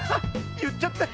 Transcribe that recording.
言っちゃった！